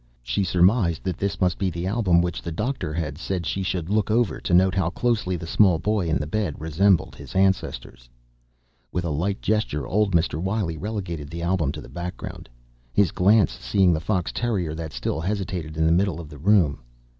She surmised that this must be the album which the doctor had said she should look over to note how closely the small boy in the bed resembled his ancestors. With a light gesture old Mr. Wiley relegated the album to the background, his glance seeking the fox terrier that still hesitated in the middle of the room.